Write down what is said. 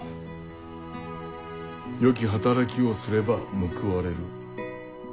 よき働きをすれば報われる。